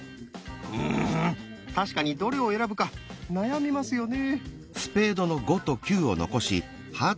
うん確かにどれを選ぶか悩みますよね。